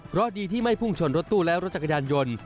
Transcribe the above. เพราะดีที่ไม่พุ่งชนรถตู้และรถจักรยานยนต์